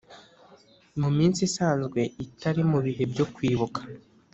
Mu minsi isanzwe itari mu bihe byo Kwibuka,